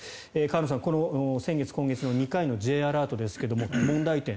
河野さん、先月、今月の２回のＪアラートですが問題点